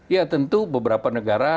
ya tentu beberapa negara